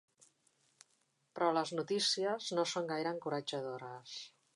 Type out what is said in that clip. Però les notícies no són gaire encoratjadores.